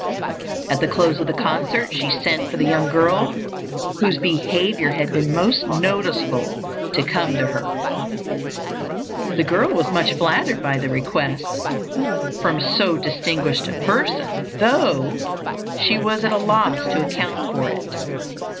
At the close of the concert she sent for the young girl whose behavior had been most noticeable to come to her. The girl was much flattered by the request from so distinguished a person, though she was at a loss to account for it.